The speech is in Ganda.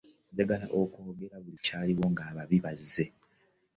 Njagala kwogera buli kyaliwo nga ababbi baze.